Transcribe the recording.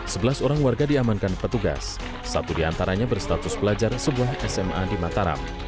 sebelas orang warga diamankan petugas satu diantaranya berstatus pelajar sebuah sma di mataram